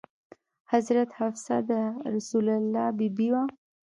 حضرت حفصه د رسول الله بي بي وه.